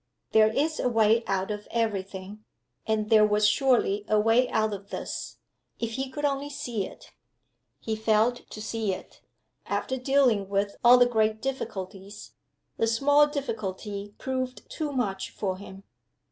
There is a way out of every thing. And there was surely a way out of this, if he could only see it. He failed to see it. After dealing with all the great difficulties, the small difficulty proved too much for him.